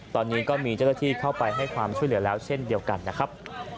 ตอนนี้ก็มีเจ้าหน้าที่เข้าไปให้ความช่วยเหลือแล้วเช่นเดียวกันนะครับ